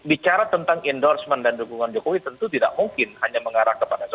jadi bicara tentang endorsement dan dukungan jokowi tentu tidak mungkin hanya mengarah kepada jokowi